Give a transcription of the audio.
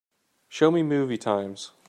Show me movie times